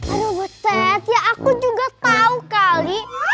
aduh betet ya aku juga tahu kali